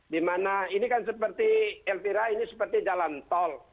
dimana ini kan seperti elvira ini seperti jalan tol